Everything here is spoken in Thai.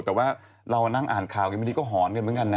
แต่ว่าเรานั่งอ่านค่าวพอดีก็หอญกันเหมือนกันนะ